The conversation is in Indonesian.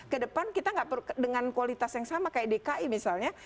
ke depan kita dengan kualitas yang sama kayak dki misalnya